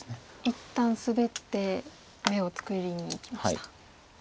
一旦スベって眼を作りにいきました。